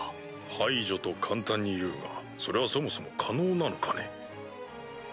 排除と簡単に言うがそれはそもそも可能なのかね？